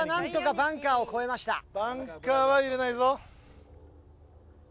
バンカーは入れないぞ。